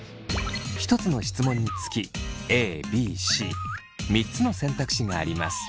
１つの質問につきＡＢＣ３つの選択肢があります。